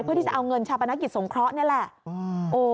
เพื่อที่จะเอาเงินชาปนกิจสงเคราะห์นี่แหละ